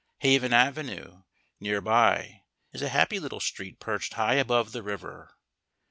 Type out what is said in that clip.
Haven Avenue, near by, is a happy little street perched high above the river.